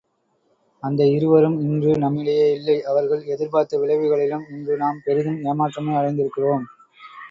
இந்த இருவரும் இன்று நம்மிடையே இல்லை அவர்கள் எதிர்பார்த்த விளைவுகளிலும் இன்று நாம் பெரிதும் ஏமாற்றமே அடைந்திருக்கிறோம்.